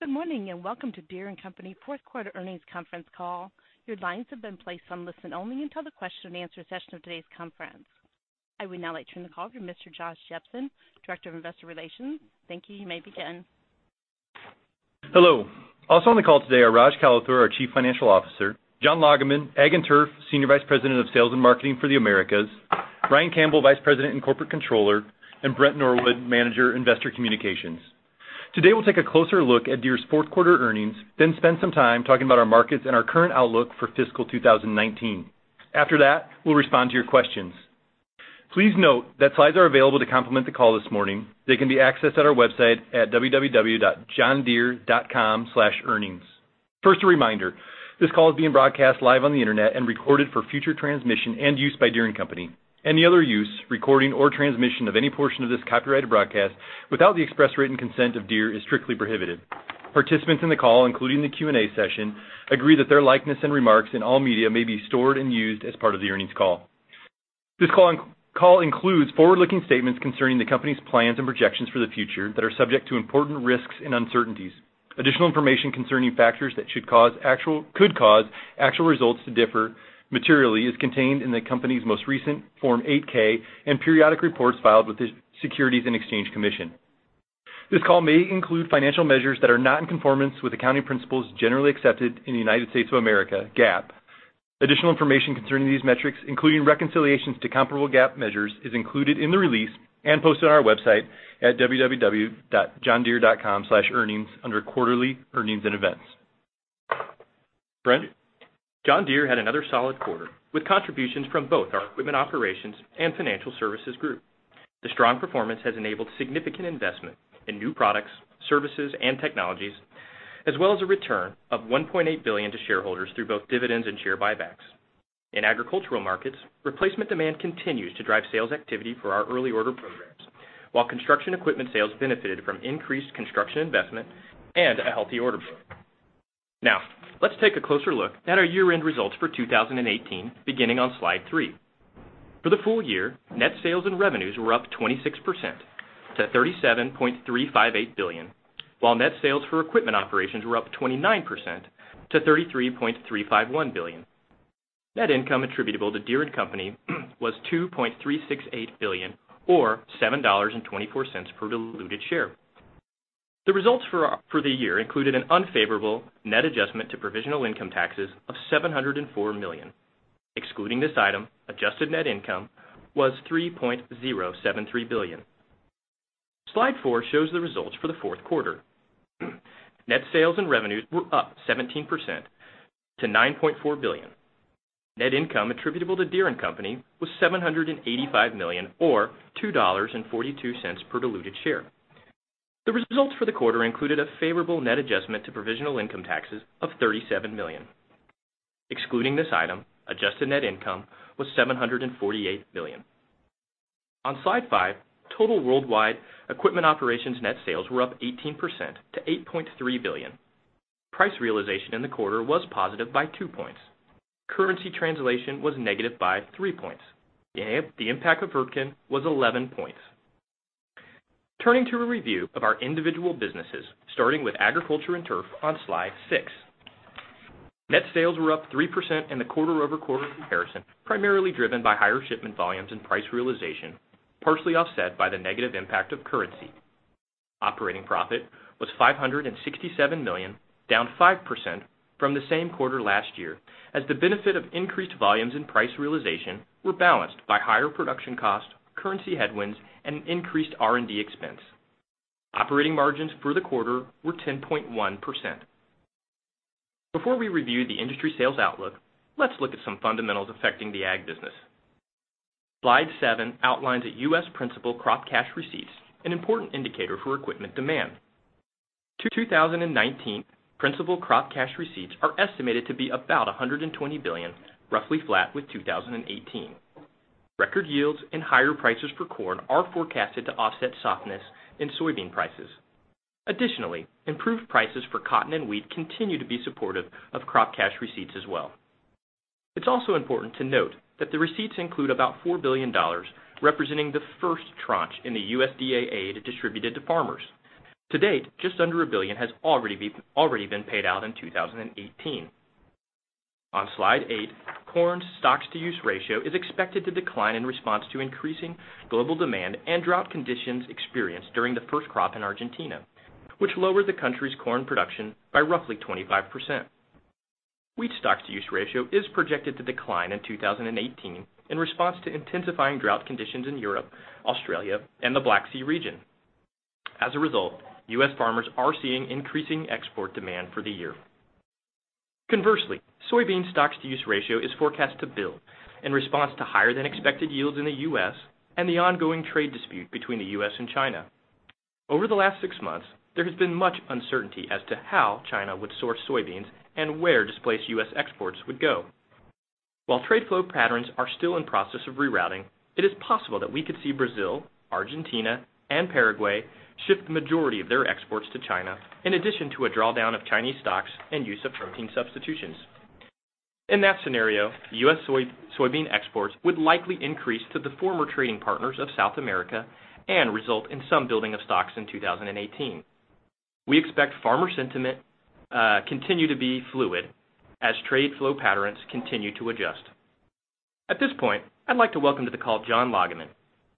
Good morning, and welcome to Deere & Company fourth quarter earnings conference call. Your lines have been placed on listen-only until the question-and-answer session of today's conference. I would now like to turn the call to Mr. Josh Jepsen, Director of Investor Relations. Thank you. You may begin. Hello. Also on the call today are Raj Kalathur, our Chief Financial Officer, John Lagemann, Ag and Turf Senior Vice President of Sales and Marketing for the Americas, Ryan Campbell, Vice President and Corporate Controller, and Brent Norwood, Manager, Investor Communications. Today, we'll take a closer look at Deere's fourth quarter earnings, then spend some time talking about our markets and our current outlook for fiscal 2019. After that, we'll respond to your questions. Please note that slides are available to complement the call this morning. They can be accessed at our website at www.johndeere.com/earnings. First, a reminder, this call is being broadcast live on the internet and recorded for future transmission and use by Deere & Company. Any other use, recording, or transmission of any portion of this copyrighted broadcast without the express written consent of Deere is strictly prohibited. Participants in the call, including the Q&A session, agree that their likeness and remarks in all media may be stored and used as part of the earnings call. This call includes forward-looking statements concerning the company's plans and projections for the future that are subject to important risks and uncertainties. Additional information concerning factors that could cause actual results to differ materially is contained in the company's most recent Form 8-K and periodic reports filed with the Securities and Exchange Commission. This call may include financial measures that are not in conformance with accounting principles generally accepted in the United States of America, GAAP. Additional information concerning these metrics, including reconciliations to comparable GAAP measures, is included in the release and posted on our website at www.johndeere.com/earnings under Quarterly Earnings and Events. Brent. John Deere had another solid quarter, with contributions from both our equipment operations and financial services group. The strong performance has enabled significant investment in new products, services, and technologies, as well as a return of $1.8 billion to shareholders through both dividends and share buybacks. In agricultural markets, replacement demand continues to drive sales activity for our early order programs, while construction equipment sales benefited from increased construction investment and a healthy order book. Let's take a closer look at our year-end results for 2018, beginning on slide three. For the full year, net sales and revenues were up 26% to $37.358 billion, while net sales for equipment operations were up 29% to $33.351 billion. Net income attributable to Deere & Company was $2.368 billion, or $7.24 per diluted share. The results for the year included an unfavorable net adjustment to provisional income taxes of $704 million. Excluding this item, adjusted net income was $3.073 billion. Slide four shows the results for the fourth quarter. Net sales and revenues were up 17% to $9.4 billion. Net income attributable to Deere & Company was $785 million, or $2.42 per diluted share. The results for the quarter included a favorable net adjustment to provisional income taxes of $37 million. Excluding this item, adjusted net income was $748 million. On Slide five, total worldwide equipment operations net sales were up 18% to $8.3 billion. Price realization in the quarter was positive by two points. Currency translation was negative by three points. The impact of Wirtgen was 11 points. Turning to a review of our individual businesses, starting with Agriculture and Turf on Slide six. Net sales were up 3% in the quarter-over-quarter comparison, primarily driven by higher shipment volumes and price realization, partially offset by the negative impact of currency. Operating profit was $567 million, down 5% from the same quarter last year, as the benefit of increased volumes and price realization were balanced by higher production costs, currency headwinds, and increased R&D expense. Operating margins for the quarter were 10.1%. Before we review the industry sales outlook, let's look at some fundamentals affecting the Ag business. Slide seven outlines the U.S. principal crop cash receipts, an important indicator for equipment demand. 2019 principal crop cash receipts are estimated to be about $120 billion, roughly flat with 2018. Record yields and higher prices for corn are forecasted to offset softness in soybean prices. Additionally, improved prices for cotton and wheat continue to be supportive of crop cash receipts as well. It's also important to note that the receipts include about $4 billion, representing the first tranche in the USDA aid distributed to farmers. To date, just under $1 billion has already been paid out in 2018. On Slide eight, corn stocks to use ratio is expected to decline in response to increasing global demand and drought conditions experienced during the first crop in Argentina, which lowered the country's corn production by roughly 25%. Wheat stocks to use ratio is projected to decline in 2018 in response to intensifying drought conditions in Europe, Australia, and the Black Sea region. As a result, U.S. farmers are seeing increasing export demand for the year. Conversely, soybean stocks to use ratio is forecast to build in response to higher than expected yields in the U.S. and the ongoing trade dispute between the U.S. and China. Over the last six months, there has been much uncertainty as to how China would source soybeans and where displaced U.S. exports would go. While trade flow patterns are still in process of rerouting, it is possible that we could see Brazil, Argentina, and Paraguay ship the majority of their exports to China, in addition to a drawdown of Chinese stocks and use of protein substitutions. In that scenario, U.S. soybean exports would likely increase to the former trading partners of South America and result in some building of stocks in 2018. We expect farmer sentiment continue to be fluid as trade flow patterns continue to adjust. At this point, I'd like to welcome to the call John Lagemann,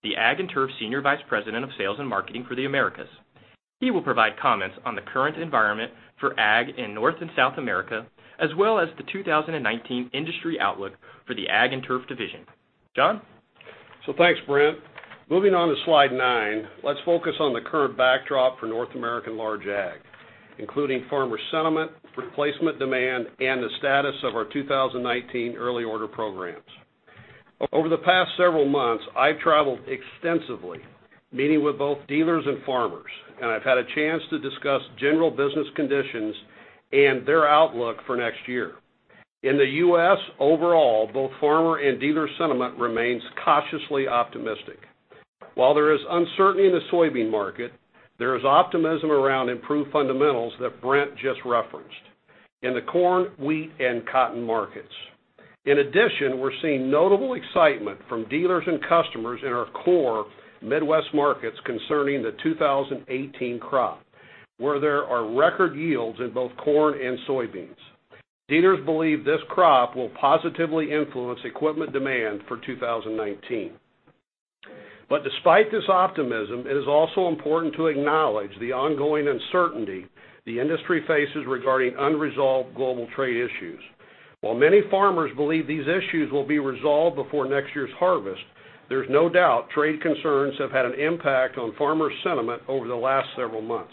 the Ag and Turf Senior Vice President of Sales and Marketing for the Americas. He will provide comments on the current environment for Ag in North and South America, as well as the 2019 industry outlook for the Ag and Turf division. John? Thanks, Brent. Moving on to slide nine, let's focus on the current backdrop for North American large Ag, including farmer sentiment, replacement demand, and the status of our 2019 early order programs. Over the past several months, I've traveled extensively, meeting with both dealers and farmers, and I've had a chance to discuss general business conditions and their outlook for next year. In the U.S. overall, both farmer and dealer sentiment remains cautiously optimistic. While there is uncertainty in the soybean market, there is optimism around improved fundamentals that Brent just referenced in the corn, wheat, and cotton markets. In addition, we're seeing notable excitement from dealers and customers in our core Midwest markets concerning the 2018 crop, where there are record yields in both corn and soybeans. Dealers believe this crop will positively influence equipment demand for 2019. Despite this optimism, it is also important to acknowledge the ongoing uncertainty the industry faces regarding unresolved global trade issues. While many farmers believe these issues will be resolved before next year's harvest, there's no doubt trade concerns have had an impact on farmer sentiment over the last several months.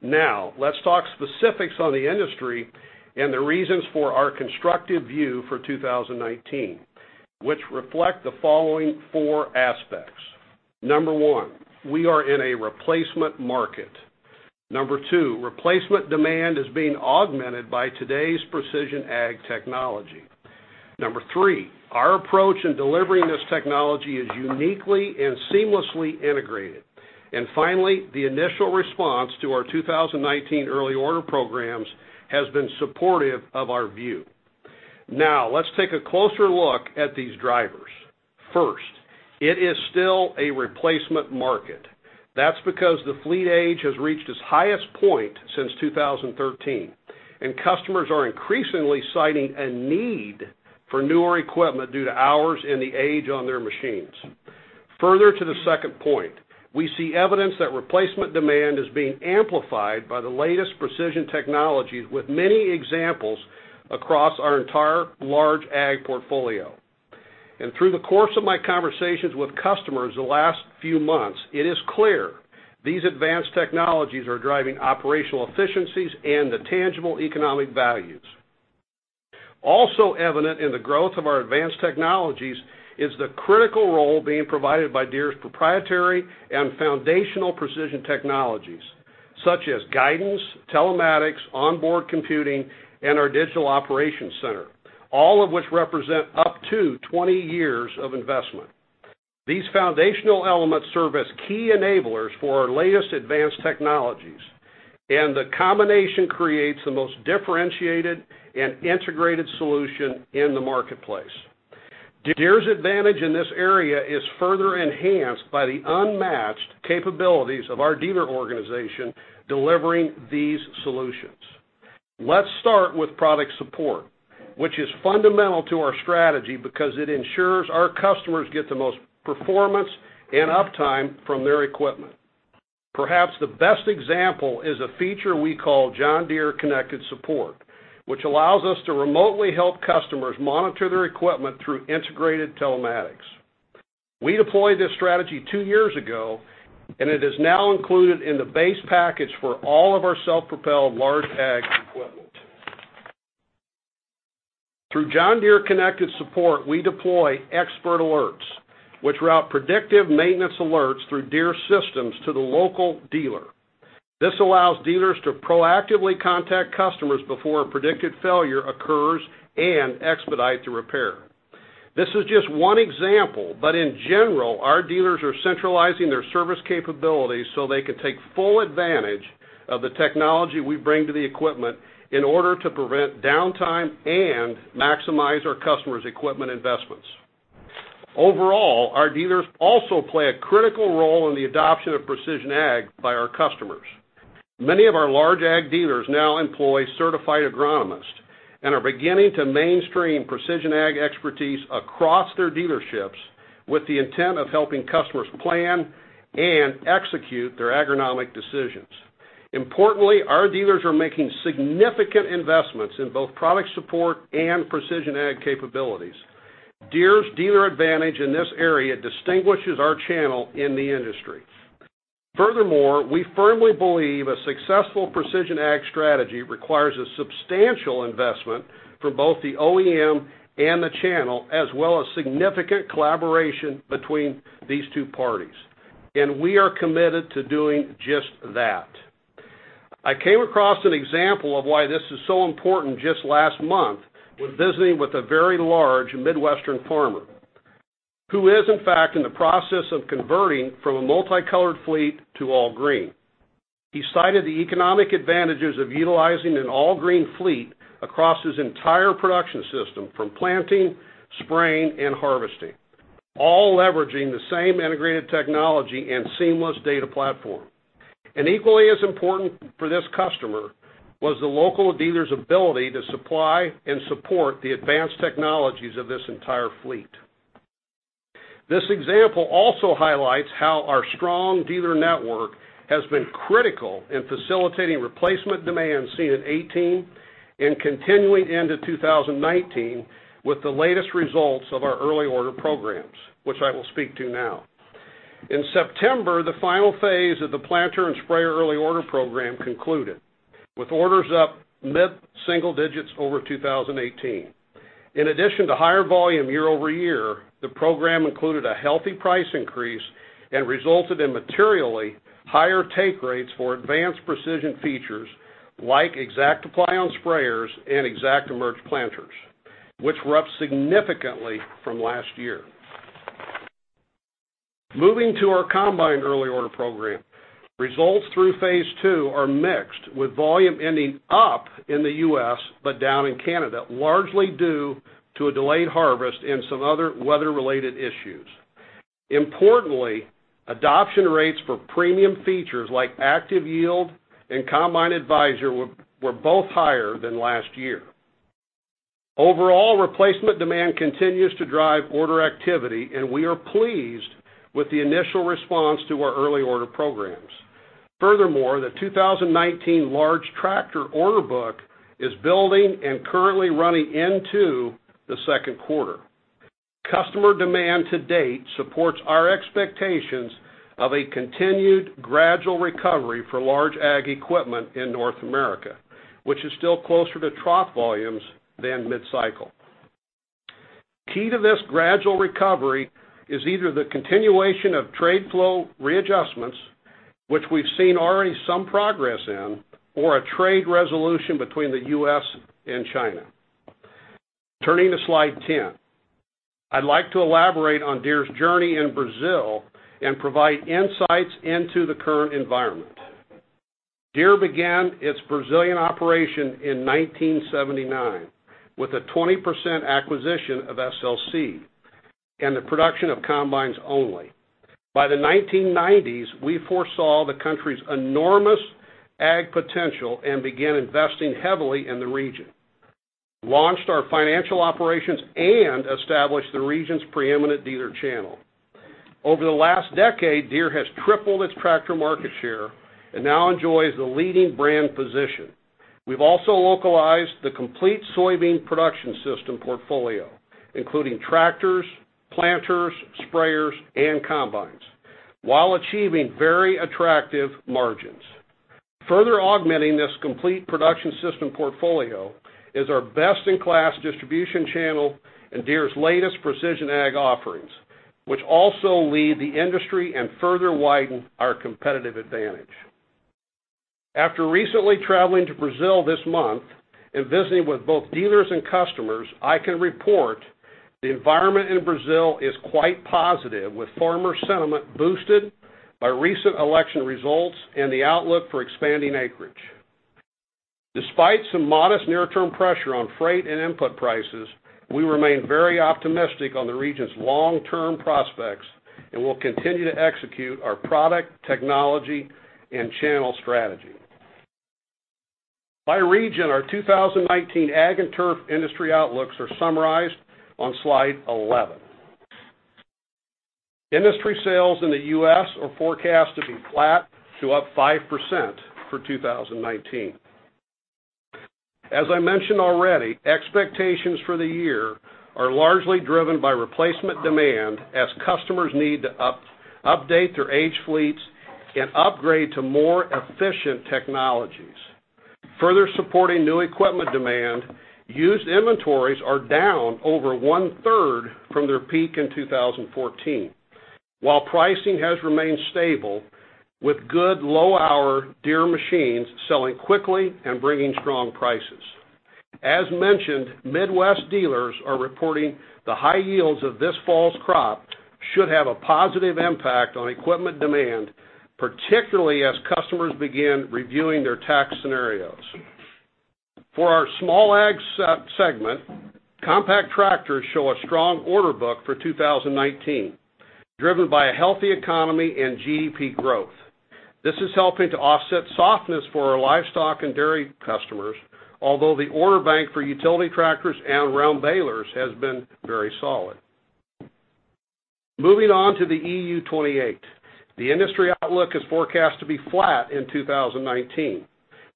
Now, let's talk specifics on the industry and the reasons for our constructive view for 2019, which reflect the following four aspects. Number one, we are in a replacement market. Number two, replacement demand is being augmented by today's precision ag technology. Number three, our approach in delivering this technology is uniquely and seamlessly integrated. Finally, the initial response to our 2019 early order programs has been supportive of our view. Now, let's take a closer look at these drivers. First, it is still a replacement market. That's because the fleet age has reached its highest point since 2013, and customers are increasingly citing a need for newer equipment due to hours and the age on their machines. Further to the second point, we see evidence that replacement demand is being amplified by the latest precision technologies with many examples across our entire large Ag portfolio. Through the course of my conversations with customers the last few months, it is clear these advanced technologies are driving operational efficiencies into tangible economic values. Also evident in the growth of our advanced technologies is the critical role being provided by Deere's proprietary and foundational precision technologies, such as guidance, telematics, onboard computing, and our John Deere Operations Center, all of which represent up to 20 years of investment. These foundational elements serve as key enablers for our latest advanced technologies, and the combination creates the most differentiated and integrated solution in the marketplace. Deere's advantage in this area is further enhanced by the unmatched capabilities of our dealer organization delivering these solutions. Let's start with product support, which is fundamental to our strategy because it ensures our customers get the most performance and uptime from their equipment. Perhaps the best example is a feature we call John Deere Connected Support, which allows us to remotely help customers monitor their equipment through integrated telematics. We deployed this strategy two years ago, and it is now included in the base package for all of our self-propelled large Ag equipment. Through John Deere Connected Support, we deploy expert alerts, which route predictive maintenance alerts through Deere systems to the local dealer. This allows dealers to proactively contact customers before a predicted failure occurs and expedite the repair. This is just one example, but in general, our dealers are centralizing their service capabilities so they can take full advantage of the technology we bring to the equipment in order to prevent downtime and maximize our customers' equipment investments. Overall, our dealers also play a critical role in the adoption of precision ag by our customers. Many of our large ag dealers now employ certified agronomists and are beginning to mainstream precision ag expertise across their dealerships with the intent of helping customers plan and execute their agronomic decisions. Importantly, our dealers are making significant investments in both product support and precision ag capabilities. Deere's dealer advantage in this area distinguishes our channel in the industry. I firmly believe a successful precision ag strategy requires a substantial investment from both the OEM and the channel, as well as significant collaboration between these two parties, and we are committed to doing just that. I came across an example of why this is so important just last month when visiting with a very large Midwestern farmer, who is, in fact, in the process of converting from a multi-colored fleet to all green. He cited the economic advantages of utilizing an all-green fleet across his entire production system, from planting, spraying, and harvesting, all leveraging the same integrated technology and seamless data platform. Equally as important for this customer was the local dealer's ability to supply and support the advanced technologies of this entire fleet. This example also highlights how our strong dealer network has been critical in facilitating replacement demand seen in 2018 and continuing into 2019 with the latest results of our early order programs, which I will speak to now. In September, the final phase of the planter and sprayer early order program concluded, with orders up mid-single digits over 2018. In addition to higher volume year-over-year, the program included a healthy price increase and resulted in materially higher take rates for advanced precision features like ExactApply on sprayers and ExactEmerge planters, which were up significantly from last year. Moving to our combined early order program, results through phase two are mixed, with volume ending up in the U.S. but down in Canada, largely due to a delayed harvest and some other weather-related issues. Importantly, adoption rates for premium features like ActiveYield and Combine Advisor were both higher than last year. Overall, replacement demand continues to drive order activity, and we are pleased with the initial response to our early order programs. Furthermore, the 2019 large tractor order book is building and currently running into the second quarter. Customer demand to date supports our expectations of a continued gradual recovery for large ag equipment in North America, which is still closer to trough volumes than mid-cycle. Key to this gradual recovery is either the continuation of trade flow readjustments, which we've seen already some progress in, or a trade resolution between the U.S. and China. Turning to slide 10. I'd like to elaborate on Deere's journey in Brazil and provide insights into the current environment. Deere began its Brazilian operation in 1979 with a 20% acquisition of SLC and the production of combines only. By the 1990s, we foresaw the country's enormous ag potential and began investing heavily in the region, launched our financial operations, and established the region's preeminent dealer channel. Over the last decade, Deere has tripled its tractor market share and now enjoys the leading brand position. We've also localized the complete soybean production system portfolio, including tractors, planters, sprayers, and combines, while achieving very attractive margins. Further augmenting this complete production system portfolio is our best-in-class distribution channel and Deere's latest precision ag offerings, which also lead the industry and further widen our competitive advantage. After recently traveling to Brazil this month and visiting with both dealers and customers, I can report the environment in Brazil is quite positive, with farmer sentiment boosted by recent election results and the outlook for expanding acreage. Despite some modest near-term pressure on freight and input prices, we remain very optimistic on the region's long-term prospects and will continue to execute our product, technology, and channel strategy. By region, our 2019 Ag and Turf industry outlooks are summarized on slide 11. Industry sales in the U.S. are forecast to be flat to up 5% for 2019. As I mentioned already, expectations for the year are largely driven by replacement demand as customers need to update their aged fleets and upgrade to more efficient technologies. Further supporting new equipment demand, used inventories are down over one-third from their peak in 2014, while pricing has remained stable, with good low-hour Deere machines selling quickly and bringing strong prices. As mentioned, Midwest dealers are reporting the high yields of this fall's crop should have a positive impact on equipment demand, particularly as customers begin reviewing their tax scenarios. For our small ag segment, compact tractors show a strong order book for 2019, driven by a healthy economy and GDP growth. This is helping to offset softness for our livestock and dairy customers, although the order bank for utility tractors and round balers has been very solid. Moving on to the EU 28. The industry outlook is forecast to be flat in 2019,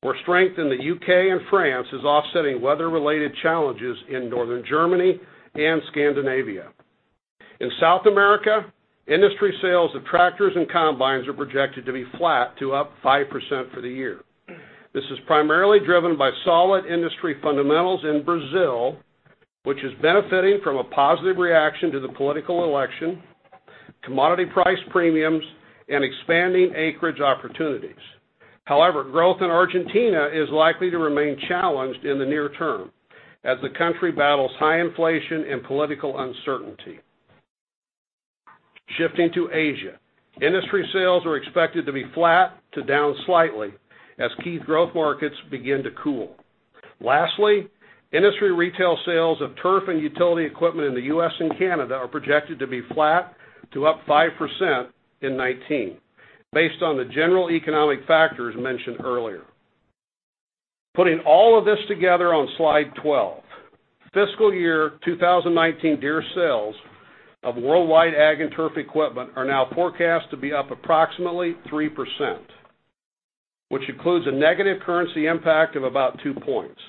where strength in the U.K. and France is offsetting weather-related challenges in Northern Germany and Scandinavia. In South America, industry sales of tractors and combines are projected to be flat to up 5% for the year. This is primarily driven by solid industry fundamentals in Brazil, which is benefiting from a positive reaction to the political election, commodity price premiums, and expanding acreage opportunities. Growth in Argentina is likely to remain challenged in the near term as the country battles high inflation and political uncertainty. Shifting to Asia, industry sales are expected to be flat to down slightly as key growth markets begin to cool. Lastly, industry retail sales of turf and utility equipment in the U.S. and Canada are projected to be flat to up 5% in 2019, based on the general economic factors mentioned earlier. Putting all of this together on slide 12, fiscal year 2019 Deere sales of worldwide Ag and Turf equipment are now forecast to be up approximately 3%, which includes a negative currency impact of about two points.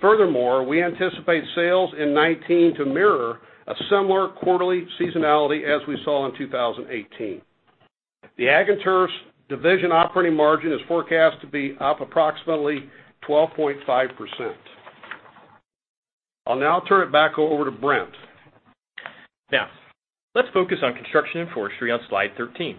Furthermore, we anticipate sales in 2019 to mirror a similar quarterly seasonality as we saw in 2018. The Ag and Turf's division operating margin is forecast to be up approximately 12.5%. I'll now turn it back over to Brent. Let's focus on Construction & Forestry on slide 13.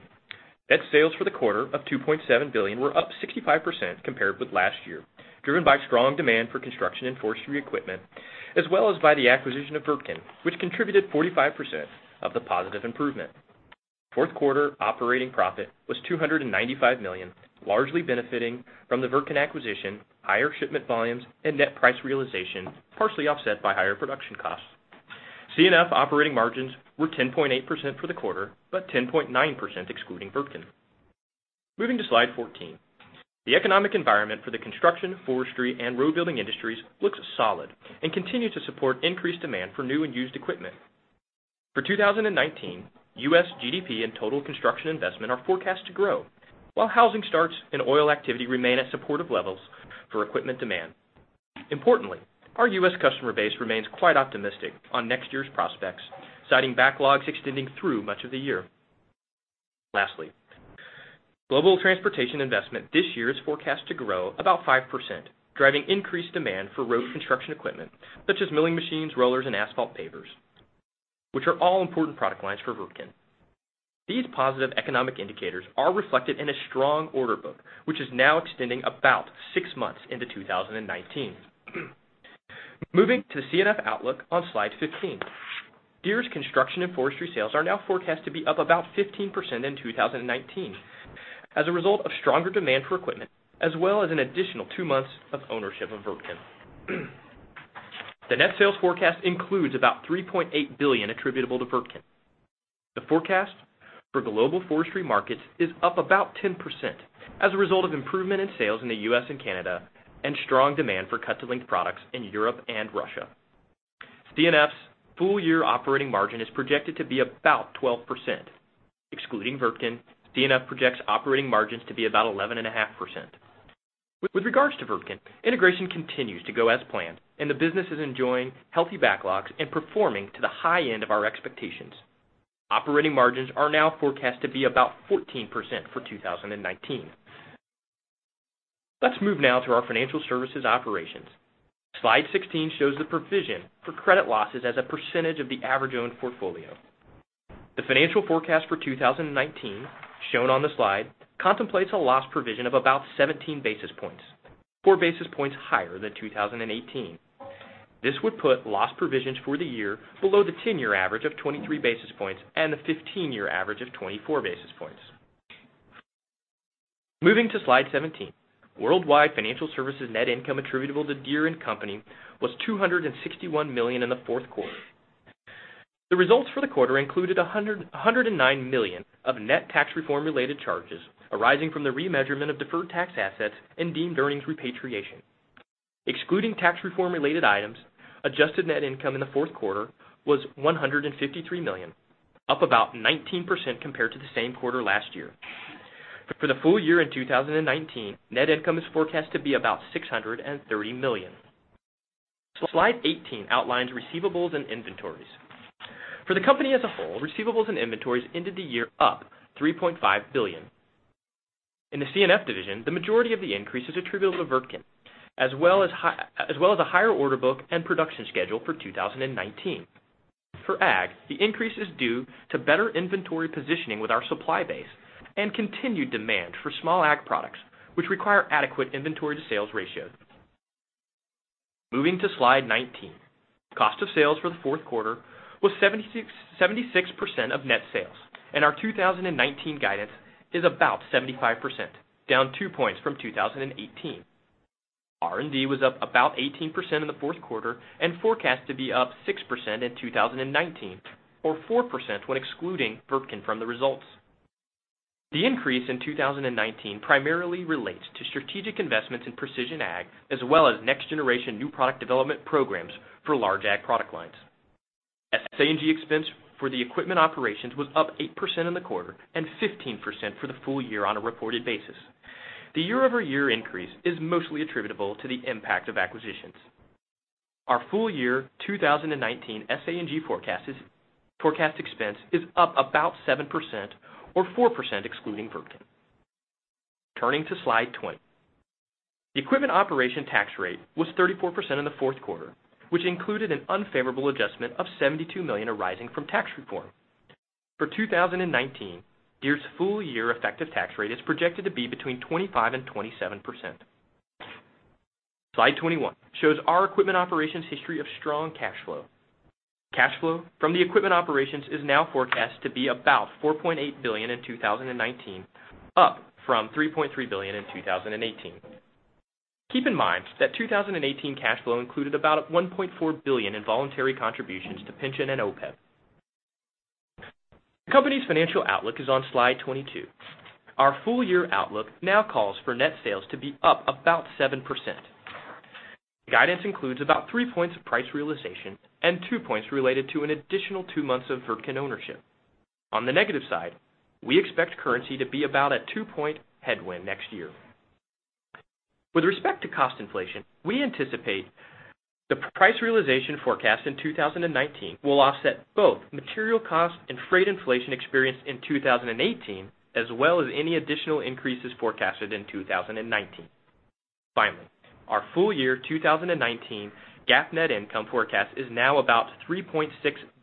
Net sales for the quarter of $2.7 billion were up 65% compared with last year, driven by strong demand for construction and forestry equipment, as well as by the acquisition of Wirtgen, which contributed 45% of the positive improvement. Fourth quarter operating profit was $295 million, largely benefiting from the Wirtgen acquisition, higher shipment volumes, and net price realization, partially offset by higher production costs. C&F operating margins were 10.8% for the quarter, but 10.9% excluding Wirtgen. Moving to slide 14, the economic environment for the construction, forestry, and road-building industries looks solid and continue to support increased demand for new and used equipment. For 2019, U.S. GDP and total construction investment are forecast to grow, while housing starts and oil activity remain at supportive levels for equipment demand. Importantly, our U.S. customer base remains quite optimistic on next year's prospects, citing backlogs extending through much of the year. Lastly, global transportation investment this year is forecast to grow about 5%, driving increased demand for road construction equipment such as milling machines, rollers, and asphalt pavers, which are all important product lines for Wirtgen. These positive economic indicators are reflected in a strong order book, which is now extending about six months into 2019. Moving to the C&F outlook on slide 15. Deere's Construction & Forestry sales are now forecast to be up about 15% in 2019 as a result of stronger demand for equipment, as well as an additional two months of ownership of Wirtgen. The net sales forecast includes about $3.8 billion attributable to Wirtgen. The forecast for global forestry markets is up about 10%, as a result of improvement in sales in the U.S. and Canada and strong demand for cut-to-length products in Europe and Russia. C&F's full year operating margin is projected to be about 12%, excluding Wirtgen. C&F projects operating margins to be about 11.5%. With regards to Wirtgen, integration continues to go as planned, and the business is enjoying healthy backlogs and performing to the high end of our expectations. Operating margins are now forecast to be about 14% for 2019. Let's move now to our financial services operations. Slide 16 shows the provision for credit losses as a percentage of the average owned portfolio. The financial forecast for 2019, shown on the slide, contemplates a loss provision of about 17 basis points, four basis points higher than 2018. This would put loss provisions for the year below the 10-year average of 23 basis points and the 15-year average of 24 basis points. Moving to slide 17. Worldwide financial services net income attributable to Deere & Company was $261 million in the fourth quarter. The results for the quarter included $109 million of net tax reform-related charges arising from the remeasurement of deferred tax assets and deemed earnings repatriation. Excluding tax reform related items, adjusted net income in the fourth quarter was $153 million, up about 19% compared to the same quarter last year. For the full year in 2019, net income is forecast to be about $630 million. Slide 18 outlines receivables and inventories. For the company as a whole, receivables and inventories ended the year up $3.5 billion. In the C&F division, the majority of the increase is attributable to Wirtgen, as well as a higher order book and production schedule for 2019. For Ag, the increase is due to better inventory positioning with our supply base and continued demand for small Ag products, which require adequate inventory-to-sales ratios. Moving to slide 19. Cost of sales for the fourth quarter was 76% of net sales, and our 2019 guidance is about 75%, down two points from 2018. R&D was up about 18% in the fourth quarter and forecast to be up 6% in 2019, or 4% when excluding Wirtgen from the results. The increase in 2019 primarily relates to strategic investments in precision ag, as well as next generation new product development programs for large ag product lines. SA&G expense for the equipment operations was up 8% in the quarter and 15% for the full year on a reported basis. The year-over-year increase is mostly attributable to the impact of acquisitions. Our full year 2019 SA&G forecast expense is up about 7%, or 4% excluding Wirtgen. Turning to slide 20. The equipment operation tax rate was 34% in the fourth quarter, which included an unfavorable adjustment of $72 million arising from tax reform. For 2019, Deere's full year effective tax rate is projected to be between 25% and 27%. Slide 21 shows our equipment operations history of strong cash flow. Cash flow from the equipment operations is now forecast to be about $4.8 billion in 2019, up from $3.3 billion in 2018. Keep in mind that 2018 cash flow included about $1.4 billion in voluntary contributions to pension and OPEB. The company's financial outlook is on slide 22. Our full-year outlook now calls for net sales to be up about 7%. Guidance includes about three points of price realization and two points related to an additional two months of Wirtgen ownership. On the negative side, we expect currency to be about a two-point headwind next year. With respect to cost inflation, we anticipate the price realization forecast in 2019 will offset both material cost and freight inflation experienced in 2018, as well as any additional increases forecasted in 2019. Finally, our full year 2019 GAAP net income forecast is now about $3.6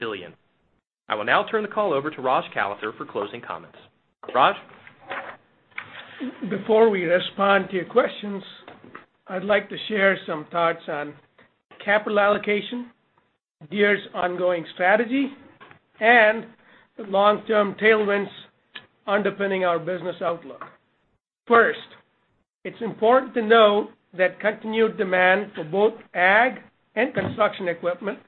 billion. I will now turn the call over to Raj Kalathur for closing comments. Raj? Before we respond to your questions, I'd like to share some thoughts on capital allocation, Deere's ongoing strategy, and the long-term tailwinds underpinning our business outlook. First, it's important to note that continued demand for both ag and construction equipment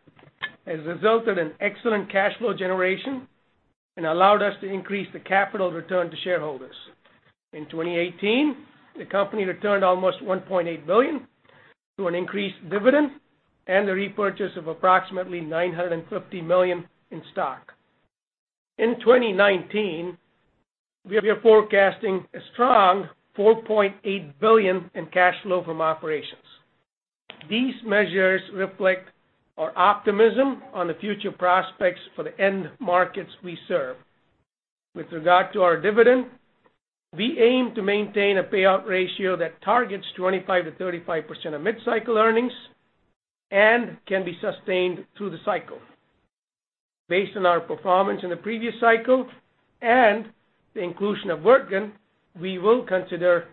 has resulted in excellent cash flow generation and allowed us to increase the capital return to shareholders. In 2018, the company returned almost $1.8 billion through an increased dividend and the repurchase of approximately $950 million in stock. In 2019, we are forecasting a strong $4.8 billion in cash flow from operations. These measures reflect our optimism on the future prospects for the end markets we serve. With regard to our dividend, we aim to maintain a payout ratio that targets 25%-35% of mid-cycle earnings and can be sustained through the cycle. Based on our performance in the previous cycle and the inclusion of Wirtgen, we will consider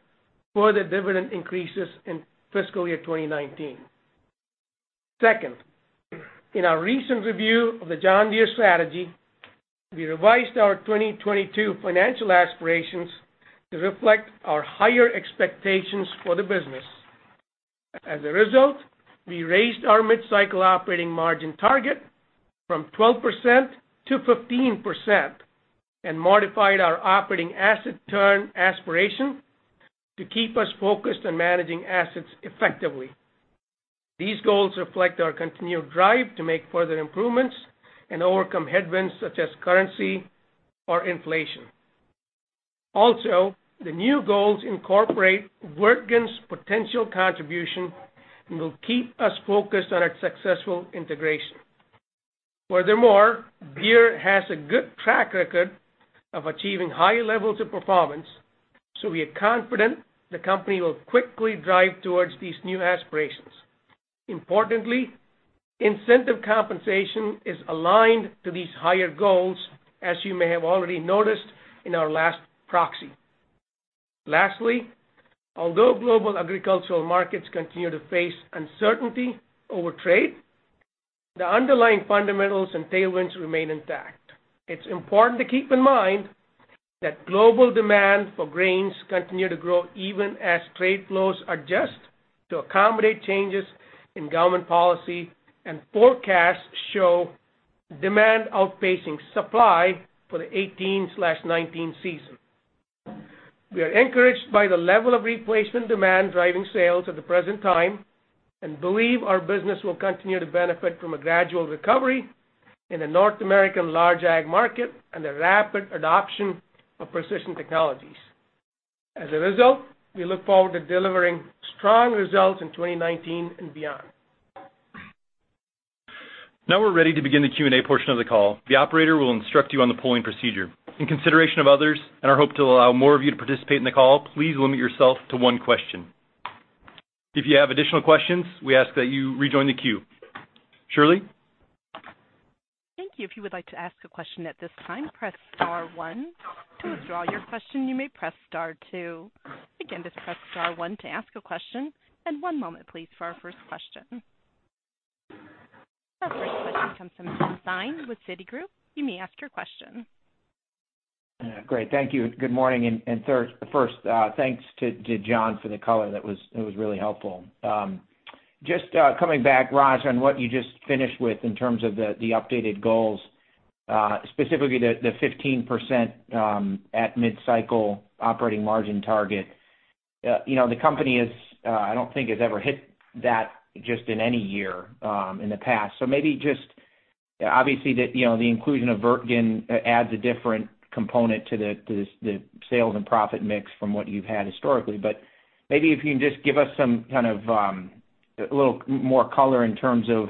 further dividend increases in fiscal year 2019. Second, in our recent review of the John Deere strategy, we revised our 2022 financial aspirations to reflect our higher expectations for the business. As a result, we raised our mid-cycle operating margin target from 12%-15% and modified our operating asset turn aspiration to keep us focused on managing assets effectively. These goals reflect our continued drive to make further improvements and overcome headwinds such as currency or inflation. Also, the new goals incorporate Wirtgen's potential contribution and will keep us focused on its successful integration. Furthermore, Deere has a good track record of achieving high levels of performance, so we are confident the company will quickly drive towards these new aspirations. Importantly, incentive compensation is aligned to these higher goals, as you may have already noticed in our last proxy. Lastly, although global agricultural markets continue to face uncertainty over trade, the underlying fundamentals and tailwinds remain intact. It's important to keep in mind that global demand for grains continue to grow even as trade flows adjust to accommodate changes in government policy, and forecasts show demand outpacing supply for the 2018/2019 season. We are encouraged by the level of replacement demand driving sales at the present time and believe our business will continue to benefit from a gradual recovery in the North American large ag market and the rapid adoption of precision technologies. As a result, we look forward to delivering strong results in 2019 and beyond. Now we're ready to begin the Q&A portion of the call. The operator will instruct you on the polling procedure. In consideration of others and our hope to allow more of you to participate in the call, please limit yourself to one question. If you have additional questions, we ask that you rejoin the queue. Shirley? Thank you. If you would like to ask a question at this time, press star one. To withdraw your question, you may press star two. Again, just press star one to ask a question. One moment, please, for our first question. Our first question comes from Tim Thein with Citigroup. You may ask your question. Great. Thank you. Good morning. First, thanks to John for the color. That was really helpful. Just coming back, Raj, on what you just finished with in terms of the updated goals, specifically the 15% at mid-cycle operating margin target. The company, I don't think has ever hit that just in any year in the past. Maybe just, obviously the inclusion of Wirtgen adds a different component to the sales and profit mix from what you've had historically. Maybe if you can just give us some kind of a little more color in terms of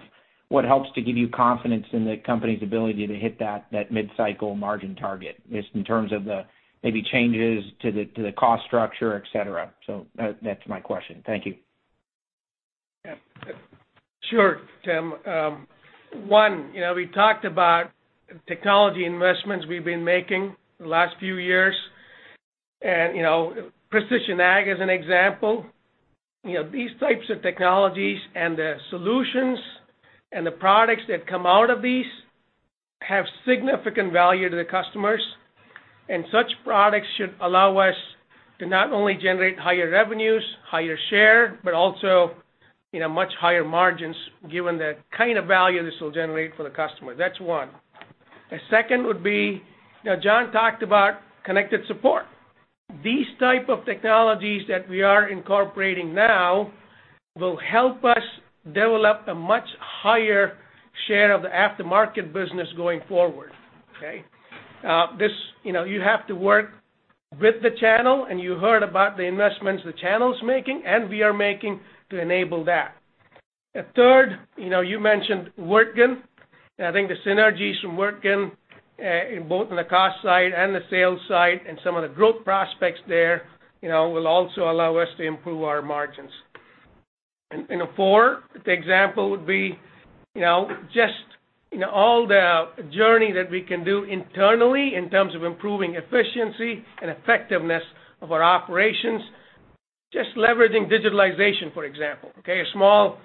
what helps to give you confidence in the company's ability to hit that mid-cycle margin target, just in terms of the maybe changes to the cost structure, et cetera. That's my question. Thank you. Sure, Tim. One, we talked about technology investments we've been making the last few years. Precision ag as an example, these types of technologies and the solutions and the products that come out of these have significant value to the customers. Such products should allow us to not only generate higher revenues, higher share, but also much higher margins given the kind of value this will generate for the customer. That's one. The second would be, John talked about connected support. These type of technologies that we are incorporating now will help us develop a much higher share of the aftermarket business going forward. Okay? You have to work with the channel, and you heard about the investments the channel's making and we are making to enable that. The third, you mentioned Wirtgen, and I think the synergies from Wirtgen, both in the cost side and the sales side, and some of the growth prospects there will also allow us to improve our margins. 4, the example would be just all the journey that we can do internally in terms of improving efficiency and effectiveness of our operations, just leveraging digitalization, for example. A small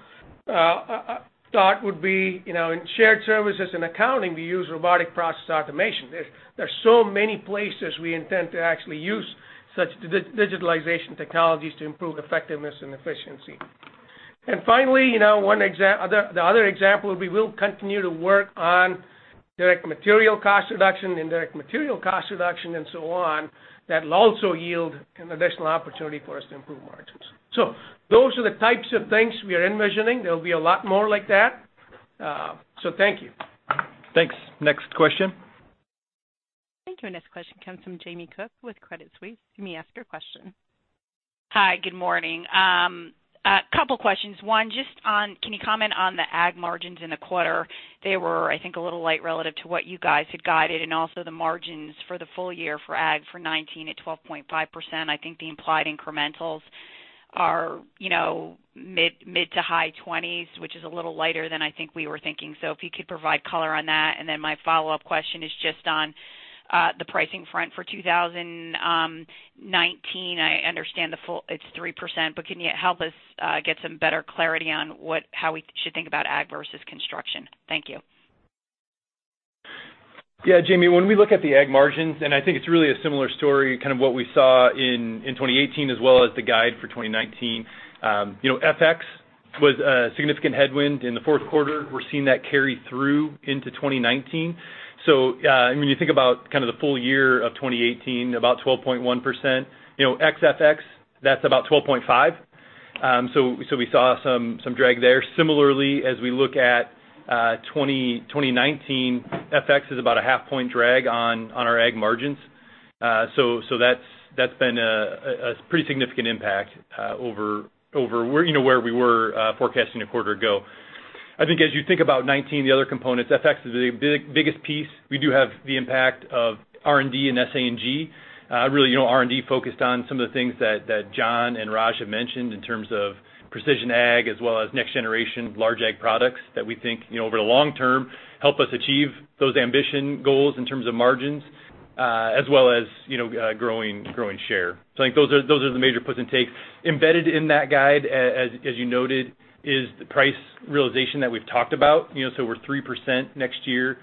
start would be in shared services and accounting, we use robotic process automation. There's so many places we intend to actually use such digitalization technologies to improve effectiveness and efficiency. Finally, the other example, we will continue to work on direct material cost reduction, indirect material cost reduction, and so on. That'll also yield an additional opportunity for us to improve margins. Those are the types of things we are envisioning. There'll be a lot more like that. Thank you. Thanks. Next question. Thank you. Our next question comes from Jamie Cook with Credit Suisse. You may ask your question. Hi, good morning. A couple questions. Can you comment on the ag margins in the quarter? They were, I think, a little light relative to what you guys had guided, and also the margins for the full year for ag for 2019 at 12.5%. I think the implied incrementals are mid to high 20s, which is a little lighter than I think we were thinking. If you could provide color on that. My follow-up question is just on the pricing front for 2019. I understand it's 3%, can you help us get some better clarity on how we should think about ag versus construction? Thank you. Yeah, Jamie, when we look at the ag margins, I think it's really a similar story, kind of what we saw in 2018 as well as the guide for 2019. FX was a significant headwind in the fourth quarter. We're seeing that carry through into 2019. When you think about the full year of 2018, about 12.1%, ex FX, that's about 12.5%. We saw some drag there. Similarly, as we look at 2019, FX is about a half point drag on our ag margins. That's been a pretty significant impact over where we were forecasting a quarter ago. I think as you think about 2019, the other components, FX is the biggest piece. We do have the impact of R&D and SG&A. Really, R&D focused on some of the things that John and Raj have mentioned in terms of precision ag as well as next generation large ag products that we think, over the long term, help us achieve those ambition goals in terms of margins, as well as growing share. I think those are the major puts and takes. Embedded in that guide, as you noted, is the price realization that we've talked about. We're 3% next year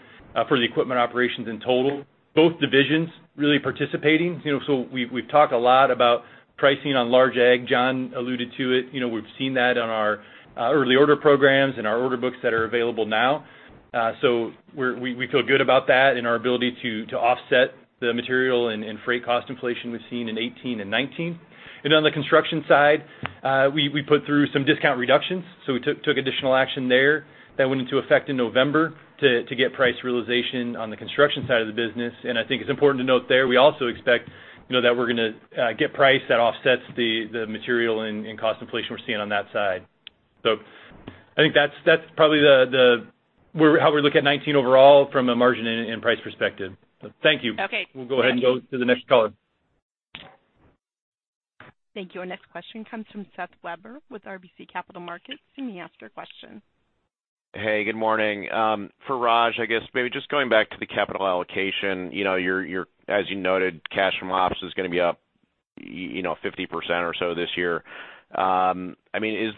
for the equipment operations in total. Both divisions really participating. We've talked a lot about pricing on large ag. John alluded to it. We've seen that on our early order programs and our order books that are available now. We feel good about that and our ability to offset the material and freight cost inflation we've seen in 2018 and 2019. On the construction side, we put through some discount reductions, so we took additional action there that went into effect in November to get price realization on the construction side of the business. I think it's important to note there, we also expect that we're going to get price that offsets the material and cost inflation we're seeing on that side. I think that's probably how we look at 2019 overall from a margin and price perspective. Thank you. Okay. We'll go ahead and go to the next caller. Thank you. Our next question comes from Seth Weber with RBC Capital Markets. You may ask your question. Hey, good morning. For Raj, I guess maybe just going back to the capital allocation. As you noted, cash from ops is going to be up 50% or so this year. Is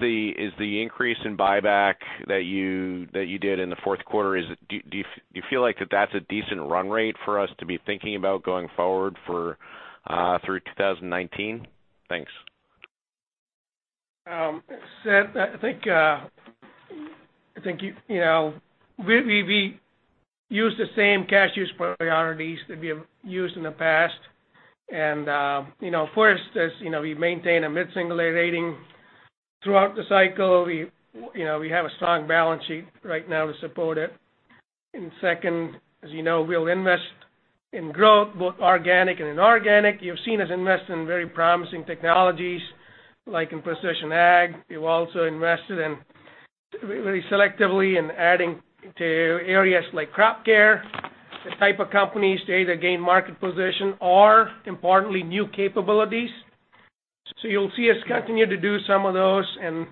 the increase in buyback that you did in the fourth quarter, do you feel like that that's a decent run rate for us to be thinking about going forward through 2019? Thanks. Seth, I think we use the same cash use priorities that we have used in the past. First, we maintain a mid-single A rating throughout the cycle. We have a strong balance sheet right now to support it. Second, as you know, we'll invest in growth, both organic and inorganic. You've seen us invest in very promising technologies like in precision ag. We've also invested very selectively in adding to areas like crop care, the type of companies to either gain market position or importantly, new capabilities. You'll see us continue to do some of those and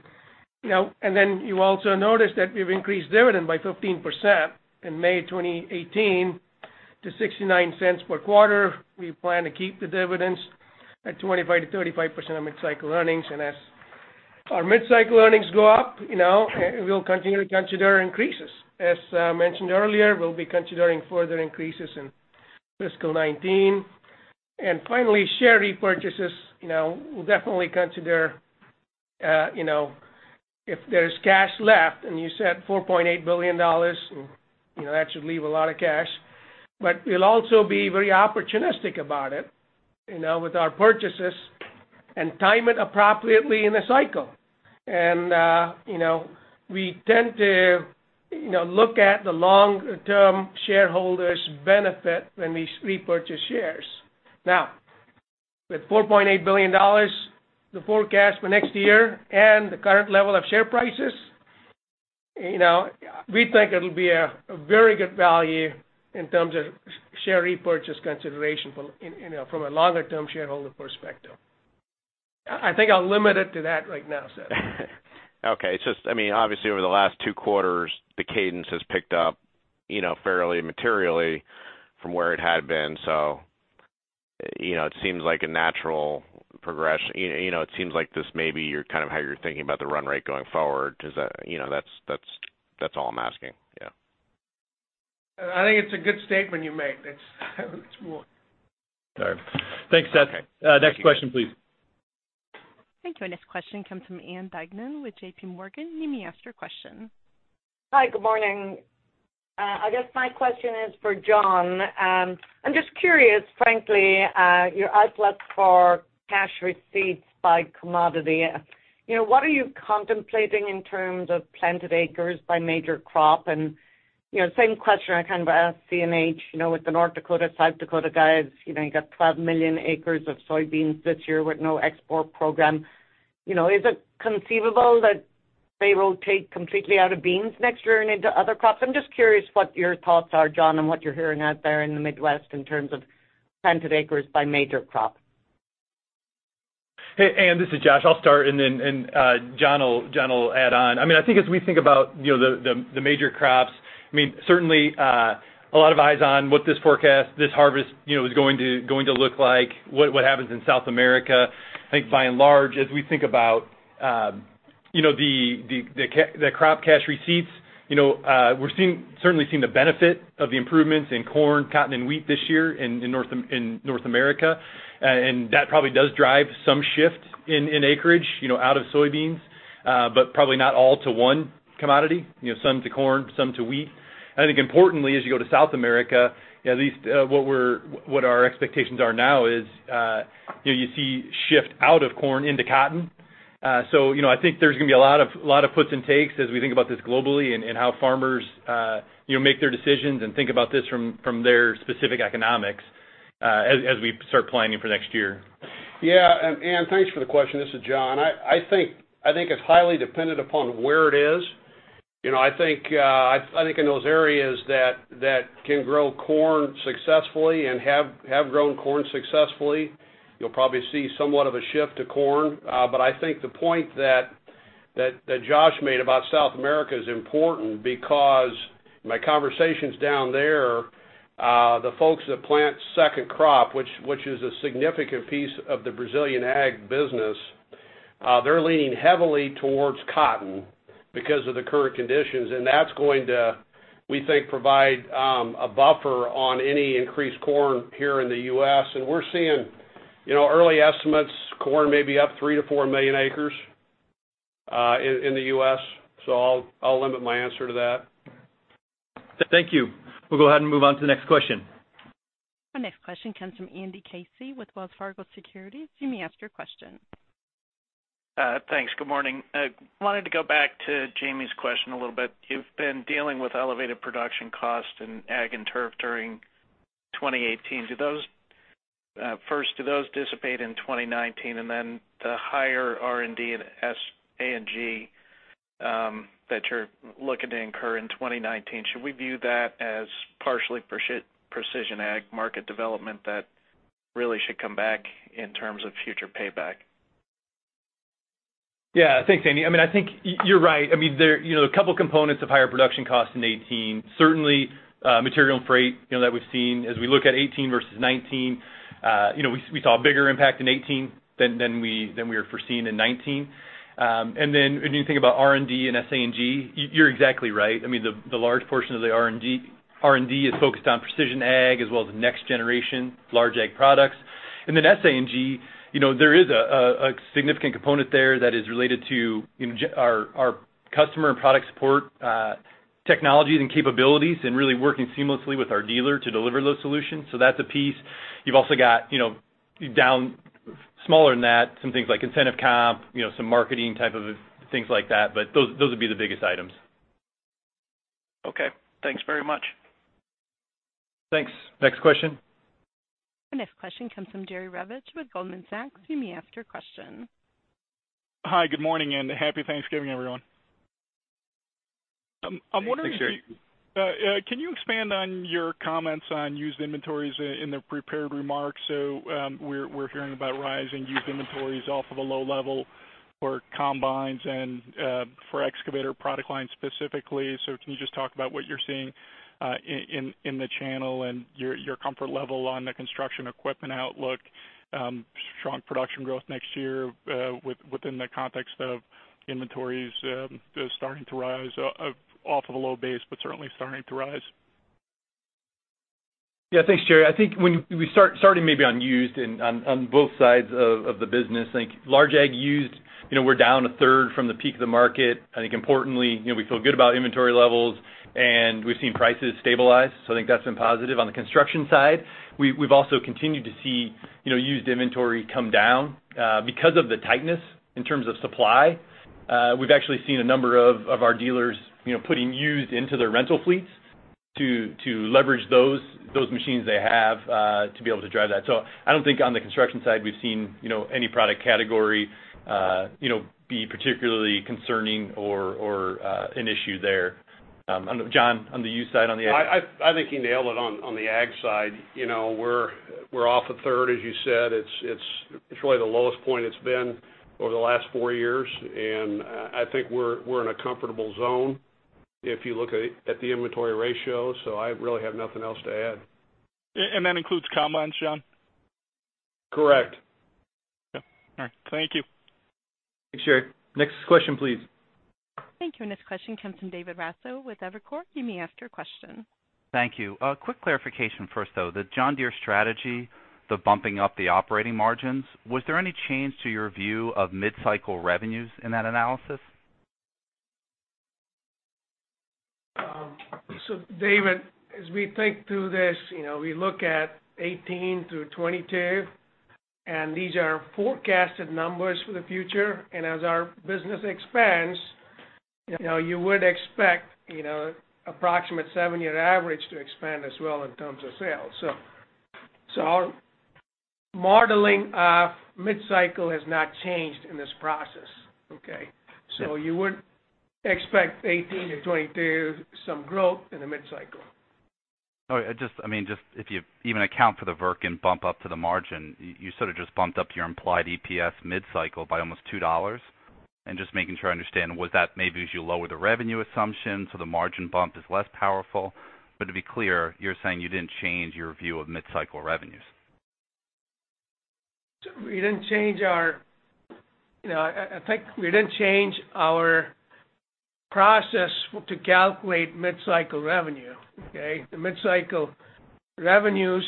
then you also notice that we've increased dividend by 15% in May 2018 to $0.69 per quarter. We plan to keep the dividends at 25%-35% of mid-cycle earnings, and as our mid-cycle earnings go up, we'll continue to consider increases. As mentioned earlier, we'll be considering further increases in fiscal 2019. Finally, share repurchases. We'll definitely consider, if there's cash left, you said $4.8 billion, that should leave a lot of cash. We'll also be very opportunistic about it, with our purchases and time it appropriately in the cycle. We tend to look at the long-term shareholders' benefit when we repurchase shares. With $4.8 billion, the forecast for next year and the current level of share prices, we think it'll be a very good value in terms of share repurchase consideration from a longer-term shareholder perspective. I think I'll limit it to that right now, Seth. Okay. Obviously over the last two quarters, the cadence has picked up fairly materially from where it had been. It seems like a natural progression. It seems like this may be kind of how you're thinking about the run rate going forward. That's all I'm asking. Yeah. I think it's a good statement you made. It's true. All right. Thanks, Seth. Okay. Thank you. Next question, please. Thank you. Next question comes from Ann Duignan with JPMorgan. You may ask your question. Hi, good morning. I guess my question is for John. I'm just curious, frankly, your outlook for cash receipts by commodity. What are you contemplating in terms of planted acres by major crop? Same question I kind of asked CNH. With the North Dakota, South Dakota guys, you got 12 million acres of soybeans this year with no export program. Is it conceivable that they will take completely out of beans next year and into other crops? I'm just curious what your thoughts are, John, and what you're hearing out there in the Midwest in terms of planted acres by major crop. Hey, Ann, this is Josh. I'll start and then John will add on. I think as we think about the major crops, certainly a lot of eyes on what this forecast, this harvest is going to look like. What happens in South America. I think by and large, as we think about the crop cash receipts, we're certainly seeing the benefit of the improvements in corn, cotton, and wheat this year in North America. That probably does drive some shift in acreage out of soybeans. Probably not all to one commodity. Some to corn, some to wheat. I think importantly, as you go to South America, at least what our expectations are now is, you see shift out of corn into cotton. I think there's going to be a lot of puts and takes as we think about this globally and how farmers make their decisions and think about this from their specific economics, as we start planning for next year. Yeah. Ann, thanks for the question. This is John. I think it's highly dependent upon where it is. I think in those areas that can grow corn successfully and have grown corn successfully, you'll probably see somewhat of a shift to corn. I think the point that Josh made about South America is important because my conversations down there, the folks that plant second crop, which is a significant piece of the Brazilian ag business, they're leaning heavily towards cotton because of the current conditions. That's going to, we think, provide a buffer on any increased corn here in the U.S. We're seeing early estimates, corn may be up 3 million to 4 million acres in the U.S. I'll limit my answer to that. Thank you. We'll go ahead and move on to the next question. Our next question comes from Andrew Casey with Wells Fargo Securities. You may ask your question. Thanks. Good morning. I wanted to go back to Jamie's question a little bit. You've been dealing with elevated production costs in Ag and Turf during 2018. First, do those dissipate in 2019? The higher R&D and SG&A that you're looking to incur in 2019, should we view that as partially precision ag market development that really should come back in terms of future payback? Yeah. Thanks, Andy. I think you're right. A couple components of higher production costs in 2018. Certainly, material and freight that we've seen as we look at 2018 versus 2019. We saw a bigger impact in 2018 than we are foreseeing in 2019. When you think about R&D and SG&A, you're exactly right. The large portion of the R&D is focused on precision ag as well as next generation large ag products. SG&A, there is a significant component there that is related to our customer and product support technologies and capabilities and really working seamlessly with our dealer to deliver those solutions. That's a piece. You've also got down smaller than that. Some things like incentive comp, some marketing type of things like that, but those would be the biggest items. Okay. Thanks very much. Thanks. Next question. The next question comes from Jerry Revich with Goldman Sachs. You may ask your question. Hi, good morning, happy Thanksgiving, everyone. Thanks, Jerry. Can you expand on your comments on used inventories in the prepared remarks? We're hearing about rising used inventories off of a low level for combines and for excavator product lines specifically. Can you just talk about what you're seeing in the channel and your comfort level on the construction equipment outlook, strong production growth next year within the context of inventories starting to rise off of a low base, but certainly starting to rise? Thanks, Jerry. I think starting maybe on used and on both sides of the business, I think large ag used, we're down a third from the peak of the market. Importantly, we feel good about inventory levels, and we've seen prices stabilize, I think that's been positive. On the construction side, we've also continued to see used inventory come down. Because of the tightness in terms of supply, we've actually seen a number of our dealers putting used into their rental fleets to leverage those machines they have to be able to drive that. I don't think on the construction side we've seen any product category be particularly concerning or an issue there. John, on the used side on the ag? I think you nailed it on the ag side. We're off a third, as you said. It's really the lowest point it's been over the last four years, and I think we're in a comfortable zone if you look at the inventory ratio. I really have nothing else to add. That includes combines, John? Correct. Okay. All right. Thank you. Thanks, Jerry. Next question, please. Thank you. Next question comes from David Raso with Evercore. You may ask your question. Thank you. A quick clarification first, though. The John Deere strategy, the bumping up the operating margins, was there any change to your view of mid-cycle revenues in that analysis? David, as we think through this, we look at 2018 through 2022, these are forecasted numbers for the future, as our business expands, you would expect approximate seven-year average to expand as well in terms of sales. Our modeling of mid-cycle has not changed in this process. Okay? You would expect 2018 to 2022, some growth in the mid-cycle. All right. If you even account for the Wirtgen bump up to the margin, you sort of just bumped up your implied EPS mid-cycle by almost $2. Just making sure I understand, was that maybe as you lower the revenue assumption, the margin bump is less powerful? To be clear, you're saying you didn't change your view of mid-cycle revenues. We didn't change our process to calculate mid-cycle revenue. Okay? The mid-cycle revenues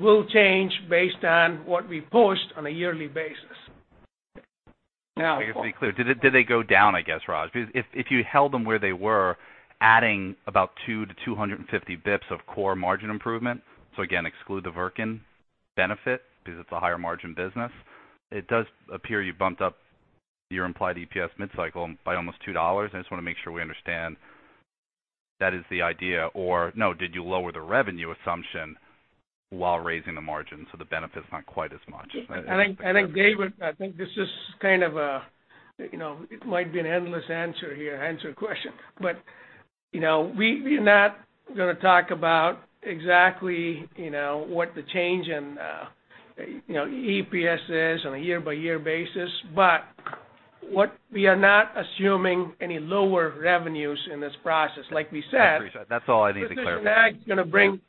will change based on what we post on a yearly basis. Just to be clear, did they go down, I guess, Raj? If you held them where they were, adding about 2 to 250 bips of core margin improvement, again, exclude the Wirtgen benefit because it's a higher margin business, it does appear you bumped up your implied EPS mid-cycle by almost $2. Just want to make sure we understand that is the idea. No, did you lower the revenue assumption while raising the margin the benefit's not quite as much? David, I think this is kind of an endless answer here, answer your question. We're not going to talk about exactly what the change in EPS is on a year-by-year basis. What we are not assuming any lower revenues in this process. I appreciate it. That's all I needed clarification. Precision ag is going to bring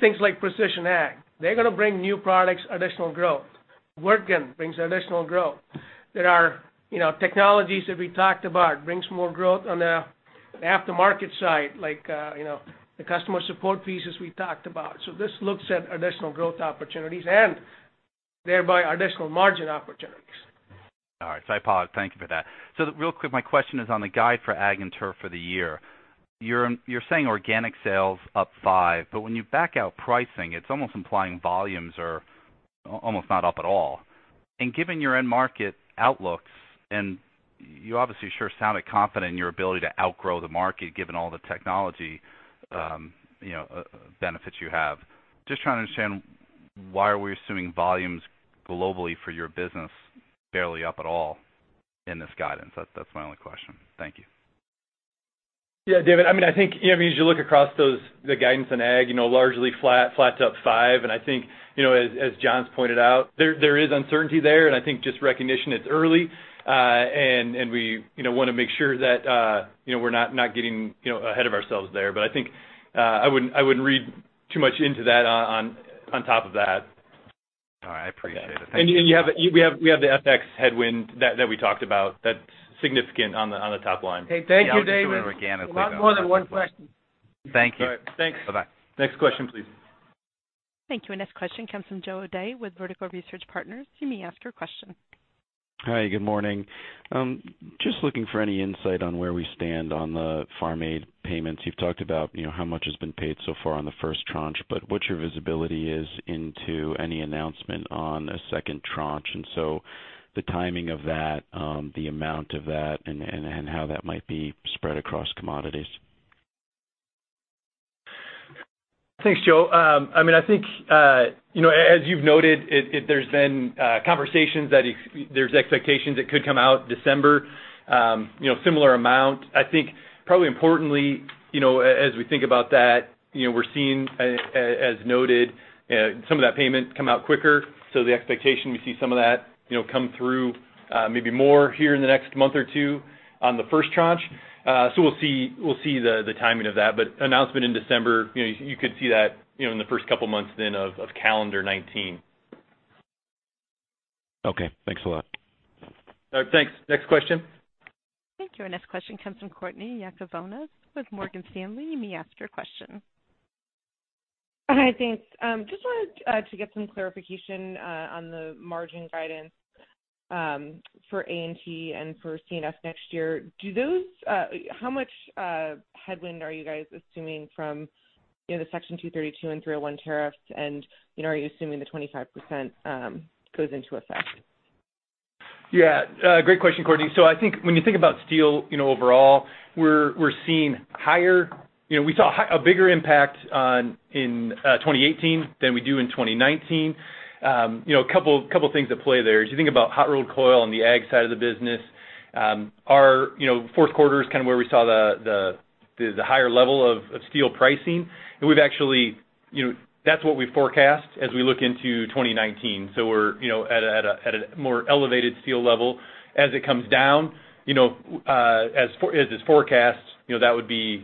things like precision ag. They're going to bring new products, additional growth. Wirtgen brings additional growth. There are technologies that we talked about brings more growth on the aftermarket side, like the customer support pieces we talked about. This looks at additional growth opportunities and thereby additional margin opportunities. All right. I apologize. Thank you for that. Real quick, my question is on the guide for Ag and Turf for the year. You're saying organic sales up five, but when you back out pricing, it's almost implying volumes are almost not up at all. Given your end market outlooks, and you obviously sure sounded confident in your ability to outgrow the market given all the technology benefits you have. Just trying to understand why are we assuming volumes globally for your business barely up at all in this guidance? That's my only question. Thank you. Yeah, David, I think as you look across the guidance in Ag, largely flat to up 5%, and I think as John's pointed out, there is uncertainty there, and I think just recognition it's early, and we want to make sure that we're not getting ahead of ourselves there. I think I wouldn't read too much into that on top of that. All right. I appreciate it. Thank you. We have the FX headwind that we talked about that's significant on the top line. Hey, thank you, David. Yeah, I was just doing organically, though. With more than one question. Thank you. All right. Thanks. Bye-bye. Next question, please. Thank you. Next question comes from Joe O'Dea with Vertical Research Partners. You may ask your question. Hi, good morning. Just looking for any insight on where we stand on the Farm Aid payments. You've talked about how much has been paid so far on the first tranche. What your visibility is into any announcement on a second tranche, the timing of that, the amount of that, and how that might be spread across commodities. Thanks, Joe. I think, as you've noted, there's been conversations that there's expectations it could come out December, similar amount. I think probably importantly, as we think about that, we're seeing, as noted, some of that payment come out quicker. The expectation, we see some of that come through maybe more here in the next month or two on the first tranche. We'll see the timing of that. Announcement in December, you could see that in the first couple of months then of calendar 2019. Okay, thanks a lot. All right, thanks. Next question. Thank you. Our next question comes from Courtney Yakavonis with Morgan Stanley. You may ask your question. Hi, thanks. Just wanted to get some clarification on the margin guidance for A&T and for C&F next year. How much headwind are you guys assuming from the Section 232 and 301 tariffs, and are you assuming the 25% goes into effect? Yeah. Great question, Courtney. I think when you think about steel, overall, we saw a bigger impact in 2018 than we do in 2019. A couple of things at play there. As you think about hot rolled coil on the ag side of the business, our fourth quarter is kind of where we saw the higher level of steel pricing. That's what we forecast as we look into 2019. We're at a more elevated steel level. As it comes down, as is forecast, that would be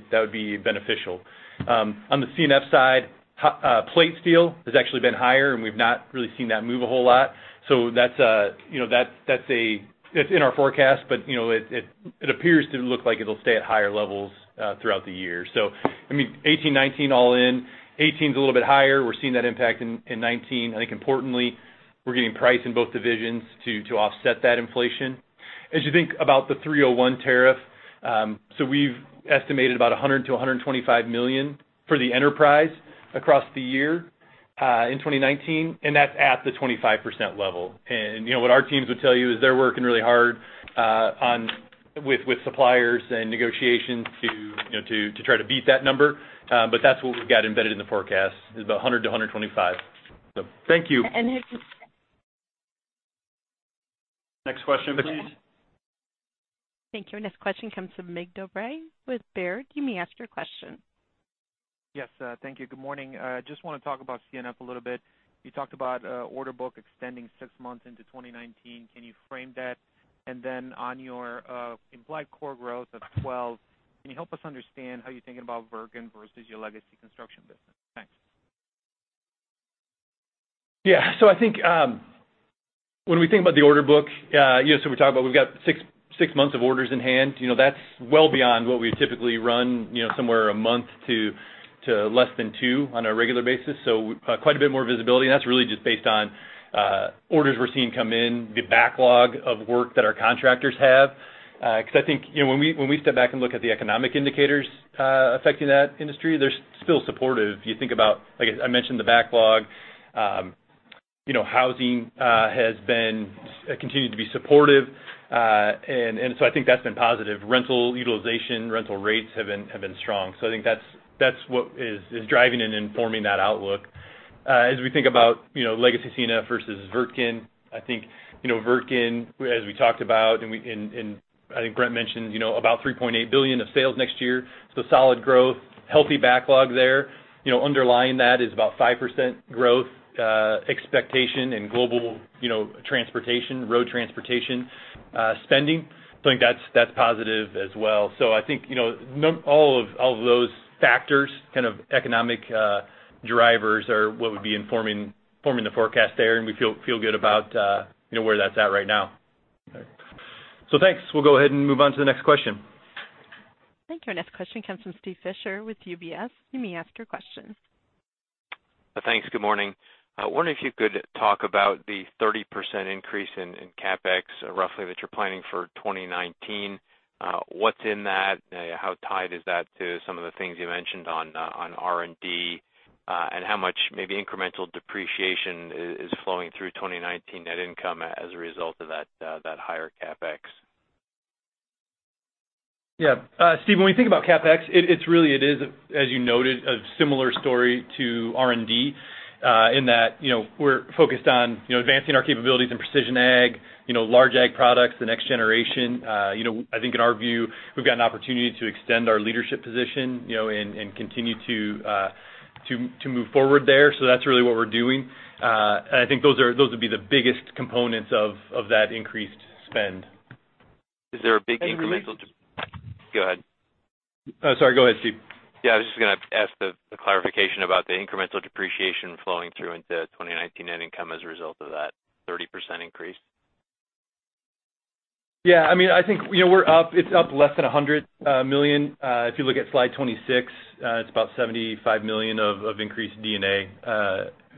beneficial. On the C&F side, plate steel has actually been higher, and we've not really seen that move a whole lot. That's in our forecast, but it appears to look like it'll stay at higher levels throughout the year. 2018, 2019, all in. 2018's a little bit higher. We're seeing that impact in 2019. I think importantly, we're getting price in both divisions to offset that inflation. As you think about the 301 tariff, we've estimated about $100 million-$125 million for the enterprise across the year in 2019, and that's at the 25% level. What our teams would tell you is they're working really hard with suppliers and negotiations to try to beat that number. That's what we've got embedded in the forecast, is about $100 million-$125 million. Thank you. if- Next question, please. Thank you. Our next question comes from Mig Dobre with Baird. You may ask your question. Yes, thank you. Good morning. Just want to talk about C&F a little bit. You talked about order book extending six months into 2019. Can you frame that? On your implied core growth of 12, can you help us understand how you're thinking about Wirtgen versus your legacy construction business? Thanks. Yeah. I think when we think about the order book, we talk about we've got six months of orders in hand. That's well beyond what we typically run, somewhere a month to less than two on a regular basis. Quite a bit more visibility, and that's really just based on orders we're seeing come in, the backlog of work that our contractors have, because I think when we step back and look at the economic indicators affecting that industry, they're still supportive. You think about, like I mentioned, the backlog. Housing has continued to be supportive. I think that's been positive. Rental utilization, rental rates have been strong. I think that's what is driving and informing that outlook. As we think about legacy C&F versus Wirtgen, I think Wirtgen, as we talked about, and I think Brent mentioned about $3.8 billion of sales next year. Solid growth. Healthy backlog there. Underlying that is about 5% growth expectation in global transportation, road transportation spending. I think that's positive as well. I think all of those factors, kind of economic drivers, are what would be informing the forecast there, and we feel good about where that's at right now. Thanks. We'll go ahead and move on to the next question. Thank you. Our next question comes from Steven Fisher with UBS. You may ask your question. Thanks. Good morning. I wonder if you could talk about the 30% increase in CapEx, roughly, that you're planning for 2019. What's in that? How tied is that to some of the things you mentioned on R&D? How much maybe incremental depreciation is flowing through 2019 net income as a result of that higher CapEx? Yeah. Steve, when we think about CapEx, it is, as you noted, a similar story to R&D in that we're focused on advancing our capabilities in precision ag, large ag products, the next generation. I think in our view, we've got an opportunity to extend our leadership position and continue to move forward there. That's really what we're doing. I think those would be the biggest components of that increased spend. Is there a big incremental- And we- Go ahead. Oh, sorry. Go ahead, Steve. Yeah, I was just going to ask the clarification about the incremental depreciation flowing through into 2019 net income as a result of that 30% increase. Yeah. I think we're up. It's up less than $100 million. If you look at slide 26, it's about $75 million of increased D&A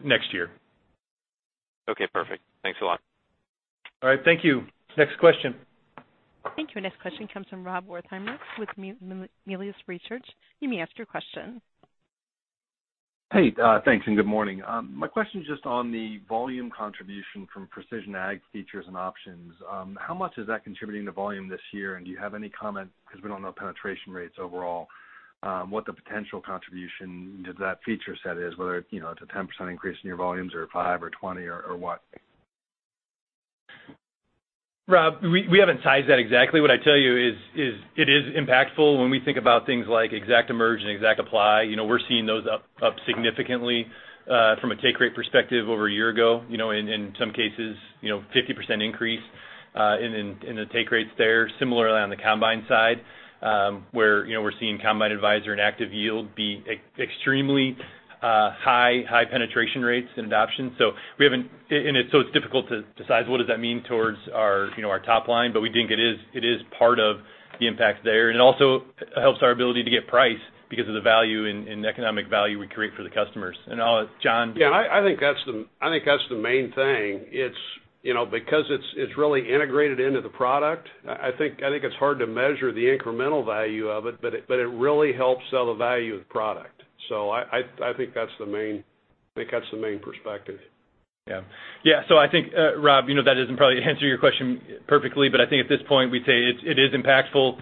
next year. Okay, perfect. Thanks a lot. All right. Thank you. Next question. Thank you. Next question comes from Rob Wertheimer with Melius Research. You may ask your question. Hey, thanks, and good morning. My question is just on the volume contribution from precision ag features and options. How much is that contributing to volume this year? Do you have any comment, because we don't know penetration rates overall, what the potential contribution to that feature set is, whether it's a 10% increase in your volumes or 5% or 20% or what? Rob, we haven't sized that exactly. What I'd tell you is it is impactful when we think about things like ExactEmerge and ExactApply. We're seeing those up significantly from a take rate perspective over a year ago. In some cases, 15% increase in the take rates there. Similarly on the combine side, where we're seeing Combine Advisor and ActiveYield be extremely high penetration rates and adoption. It's difficult to decide what does that mean towards our top line, but we think it is part of the impact there. It also helps our ability to get price because of the value and economic value we create for the customers. I'll let John- Yeah, I think that's the main thing. Because it's really integrated into the product, I think it's hard to measure the incremental value of it, but it really helps sell the value of the product. I think that's the main perspective. Yeah. I think, Rob, that doesn't probably answer your question perfectly, but I think at this point, we'd say it is impactful.